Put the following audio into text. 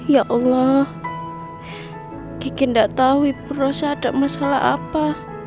ya allah kiki tidak tahu ibu rasa ada masalah apa